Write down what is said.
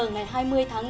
ngày hai mươi tháng năm